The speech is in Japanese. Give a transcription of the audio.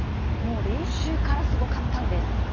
練習からすごかったんです。